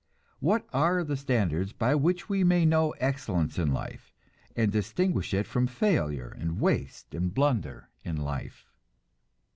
What are the standards by which we may know excellence in life, and distinguish it from failure and waste and blunder in life?